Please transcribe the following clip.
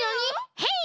ヘイ！